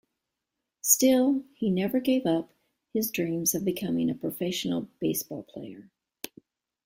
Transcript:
Still, he never gave up on his dreams of becoming a professional baseball player.